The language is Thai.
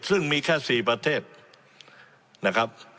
ซึ่งมีแค่๔ประเทศนะครับ